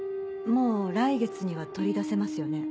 もう来月には取り出せますよね？